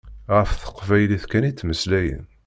Ɣef teqbaylit kan i ttmeslayen.